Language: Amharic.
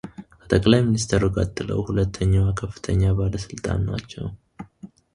ከጠቅላይ ሚኒስትሩ ቀጥለው ሁለተኛዋ ከፍተኛ ባለሥልጣን ናቸው።